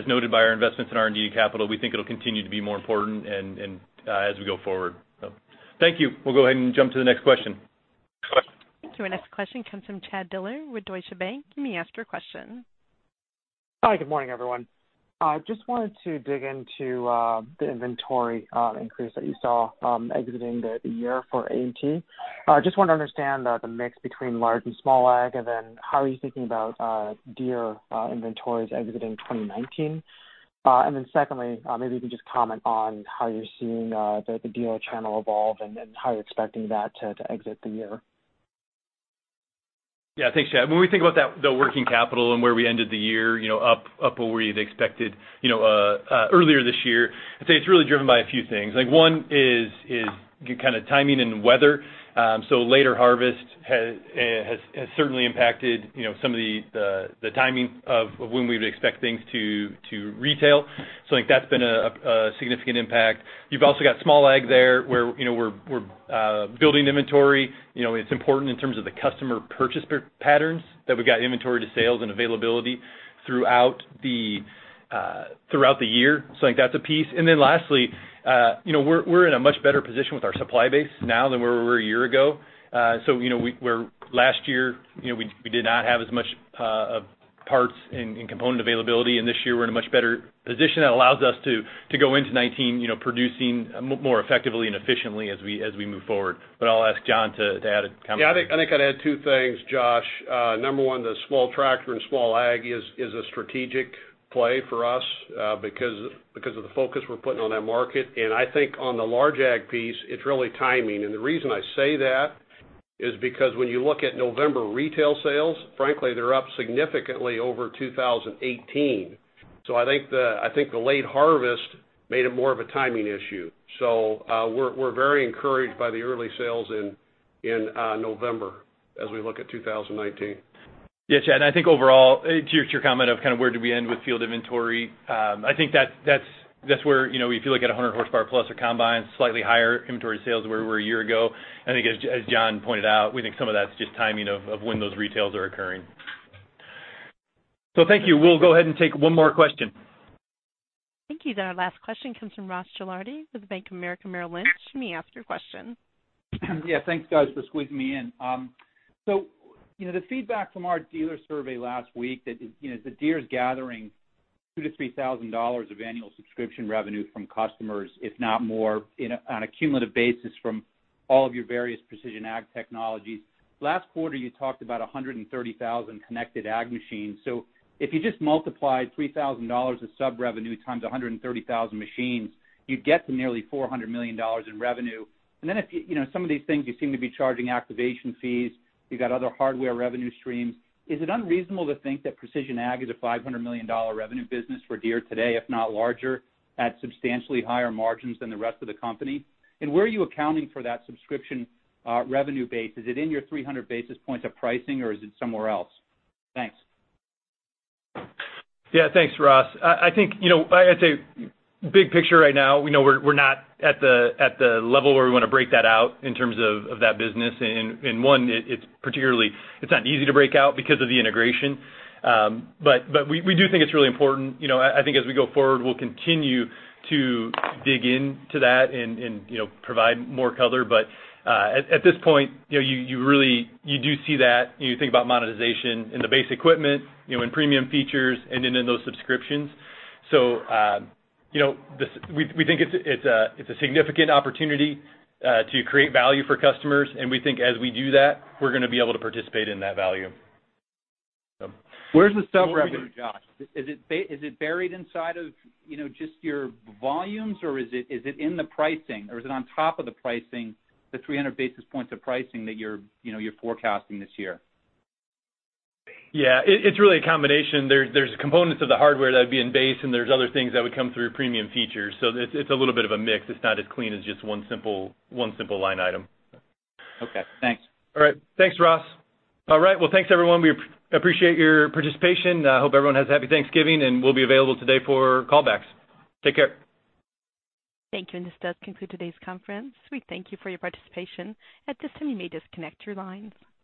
As noted by our investments in R&D capital, we think it'll continue to be more important as we go forward. Thank you. We'll go ahead and jump to the next question. Thank you. Our next question comes from Chad Dillard with Deutsche Bank. You may ask your question. Hi, good morning, everyone. Wanted to dig into the inventory increase that you saw exiting the year for ag. Want to understand the mix between large and small ag, and then how are you thinking about Deere inventories exiting 2019. Secondly, maybe you can just comment on how you're seeing the dealer channel evolve and how you're expecting that to exit the year. Yeah, thanks, Chad. When we think about the working capital and where we ended the year up where we'd expected earlier this year, I'd say it's really driven by a few things. One is timing and weather. Later harvest has certainly impacted some of the timing of when we would expect things to retail. I think that's been a significant impact. You've also got small ag there, where we're building inventory. It's important in terms of the customer purchase patterns that we've got inventory to sales and availability throughout the year. I think that's a piece. Lastly, we're in a much better position with our supply base now than where we were a year ago. Last year, we did not have as much parts and component availability, and this year we're in a much better position that allows us to go into 2019 producing more effectively and efficiently as we move forward. I'll ask John to add a comment. I think I'd add two things, Josh. Number one, the small tractor and small ag is a strategic play for us because of the focus we're putting on that market. I think on the large ag piece, it's really timing. The reason I say that is because when you look at November retail sales, frankly, they're up significantly over 2018. I think the late harvest made it more of a timing issue. We're very encouraged by the early sales in November as we look at 2019. Chad, I think overall, to your comment of kind of where do we end with field inventory, I think that's where if you look at 100 horsepower plus or combines, slightly higher inventory sales where we were a year ago. I think as John pointed out, we think some of that's just timing of when those retails are occurring. Thank you. We'll go ahead and take one more question. Thank you. Our last question comes from Ross Gilardi with Bank of America Merrill Lynch. You may ask your question. Thanks, guys, for squeezing me in. The feedback from our dealer survey last week that Deere is gathering $2,000-$3,000 of annual subscription revenue from customers, if not more on a cumulative basis from all of your various precision ag technologies. Last quarter, you talked about 130,000 connected ag machines. If you just multiply $3,000 of sub-revenue times 130,000 machines, you'd get to nearly $400 million in revenue. Some of these things, you seem to be charging activation fees. You've got other hardware revenue streams. Is it unreasonable to think that precision ag is a $500 million revenue business for Deere today, if not larger, at substantially higher margins than the rest of the company? Where are you accounting for that subscription revenue base? Is it in your 300 basis points of pricing or is it somewhere else? Thanks. Thanks, Ross. I'd say big picture right now, we know we're not at the level where we want to break that out in terms of that business. One, it's not easy to break out because of the integration. We do think it's really important. I think as we go forward, we'll continue to dig into that and provide more color. At this point, you do see that and you think about monetization in the base equipment, in premium features, and then in those subscriptions. We think it's a significant opportunity to create value for customers. We think as we do that, we're going to be able to participate in that value. Where's the sub-revenue, Josh? Is it buried inside of just your volumes, or is it in the pricing, or is it on top of the pricing, the 300 basis points of pricing that you're forecasting this year? It's really a combination. There's components of the hardware that would be in base, and there's other things that would come through premium features. It's a little bit of a mix. It's not as clean as just one simple line item. Okay. Thanks. All right. Thanks, Ross. All right. Well, thanks everyone. We appreciate your participation. I hope everyone has a happy Thanksgiving. We'll be available today for callbacks. Take care. Thank you. This does conclude today's conference. We thank you for your participation. At this time, you may disconnect your lines.